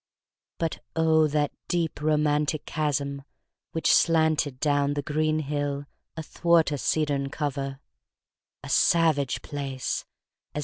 But O, that deep romantic chasm which slanted Down the green hill athwart a cedarn cover! A savage place!